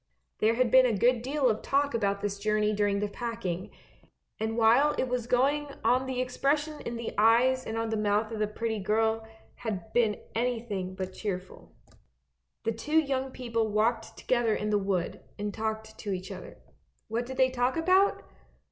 ( There had been a good deal of talk about this journey during the packing, and while it was going on the expression in the eyes and on the mouth of the pretty girl had been anything but cheerful. The two young people walked together in the wood, and talked to each other. What did they talk about?